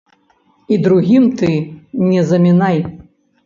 І другім ты не замінай.